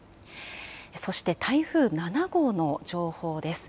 そして台風７号の情報です。